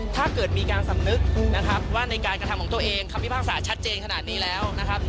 ถ้าเกิดมีการสำนึกนะครับว่าในการกระทำของตัวเองคำพิพากษาชัดเจนขนาดนี้แล้วนะครับ